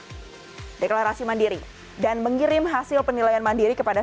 upload surat pernyataan deklarasi mandiri deklarasi mandiri dan mengirim hasil penilaian mandiri kepada